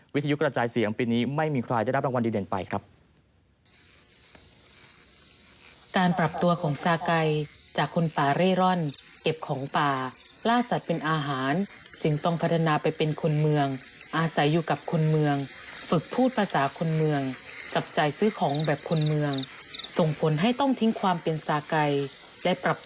วิทยุกระจายเสียงปีนี้ไม่มีใครได้รับรางวัลดีเด่นไปครับ